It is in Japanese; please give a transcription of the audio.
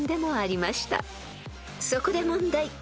［そこで問題］